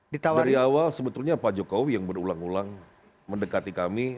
dari awal sebetulnya pak jokowi yang berulang ulang mendekati kami